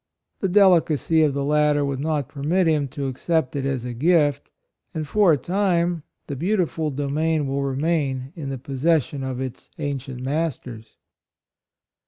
The delicacy of the latter would not permit him to accept it as a gift, and for a time the beautiful domain will remain in the possession of its ancient mas ters."